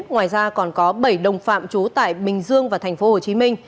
ngoài ra còn có bảy đồng phạm trú tại bình dương và tp hcm